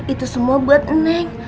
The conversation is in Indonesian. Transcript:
itu semua buat neng